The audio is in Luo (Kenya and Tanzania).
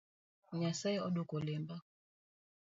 Nyasaye oduoko lemba